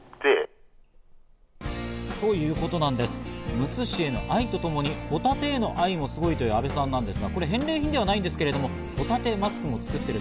むつ市への愛とともにホタテへの愛もすごいという阿部さんなんですが、これ、返礼品ではないんですがホタテマスクも作っている。